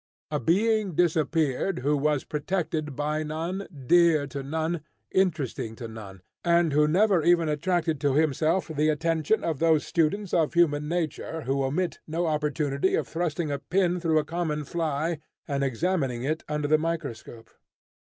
A being disappeared, who was protected by none, dear to none, interesting to none, and who never even attracted to himself the attention of those students of human nature who omit no opportunity of thrusting a pin through a common fly and examining it under the microscope.